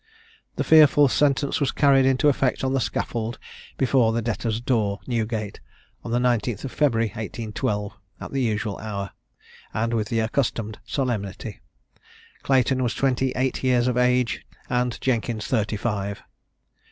The fearful sentence was carried into effect on the scaffold before the Debtor's door, Newgate, on the 19th February 1812, at the usual hour, and with the accustomed solemnity. Clayton was twenty eight years of age, and Jenkins thirty five.